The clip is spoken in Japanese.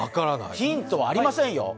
ヒントはありませんよ。